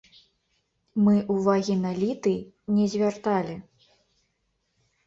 Мы ўвагі на літый не звярталі.